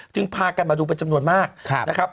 พากันมาดูเป็นจำนวนมากนะครับ